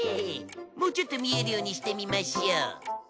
もうちょっと見えるようにしてみましょう。